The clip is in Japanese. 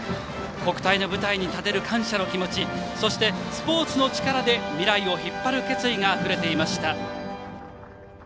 国体の舞台に立てる感謝の気持ちそして、スポーツの力で未来を引っ張る決意があふれていました。